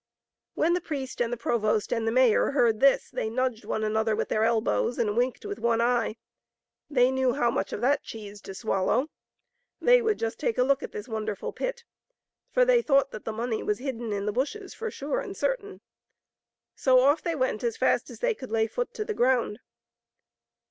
When the priest and the provost and the mayor heard this, they nudged one another with their elbows and winked with one eye. They knew how much of that cheese to swallow. They would just take a look at this won derful pit, for they thought that the money was hidden in the bushes for sure and certain. So off they went as fast as they could lay foot to the ground.